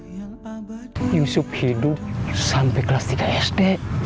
yang yusuf hidup sampai kelas tiga sd